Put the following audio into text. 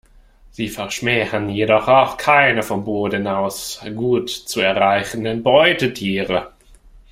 Sie verschmähen jedoch auch keine vom Boden aus gut zu erreichenden Beutetiere.